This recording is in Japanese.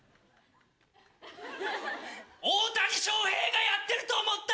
大谷翔平がやってると思ったら。